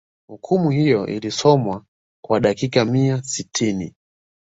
hukumu hiyo ilkisomwa kwa dakika mia sitini